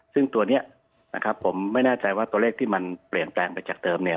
ซึ่งตัวนี้นะครับผมไม่แน่ใจว่าตัวเลขที่มันเปลี่ยนแปลงไปจากเดิมเนี่ย